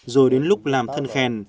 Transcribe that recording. rồi đến lúc làm thân khen